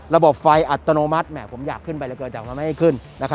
ระบบไฟอัตโนมัติผมอยากขึ้นไปเหลือเกินแต่ว่าไม่ให้ขึ้น